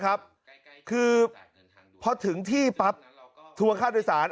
นะครับคือเพราะถึงที่ปรับทัวร์ค่าโดยสาร